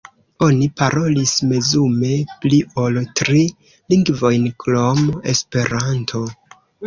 Oni parolis mezume pli ol tri lingvojn krom Esperanto.